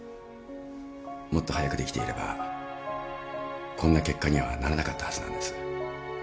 もっと早くできていればこんな結果にはならなかったはずなんです。